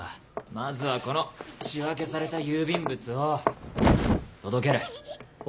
まずはこの仕分けされた郵便物を届ける。